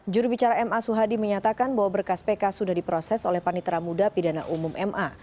jurubicara ma suhadi menyatakan bahwa berkas pk sudah diproses oleh panitera muda pidana umum ma